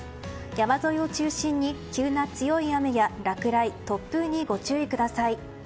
山沿いを中心に急な強い雨や落雷、突風にご注意ください。